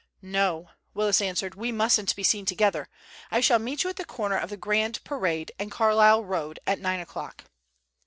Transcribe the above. "No," Willis answered, "we mustn't be seen together. I shall meet you at the corner of the Grand Parade and Carlisle Road at nine o'clock."